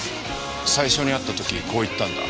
最初に会った時こう言ったんだ。